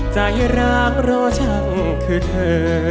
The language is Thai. ใจรักรอช่างคือเธอ